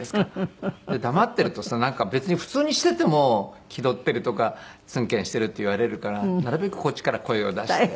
黙っているとさ別に普通にしていても気取っているとかツンケンしているって言われるからなるべくこっちから声を出して。